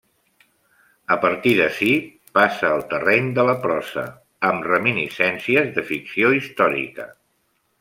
A partir d'ací passa al terreny de la prosa, amb reminiscències de ficció històrica.